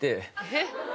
えっ！